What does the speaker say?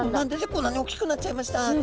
こんなに「おっきくなっちゃいました」って。